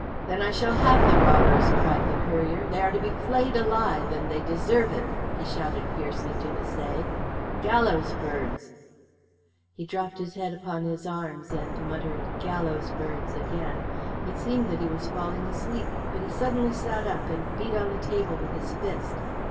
"Then I shall have the robbers," cried the courier. "They are to be flayed alive, and they deserve it," he shouted fiercely to Misset. "Gallows birds!" He dropped his head upon his arms and muttered "gallows birds" again. It seemed that he was falling asleep, but he suddenly sat up and beat on the table with his fist.